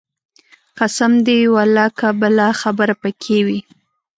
قسم دى ولله که بله خبره پکښې کښې وي.